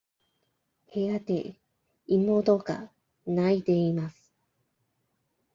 部屋で妹が泣いています。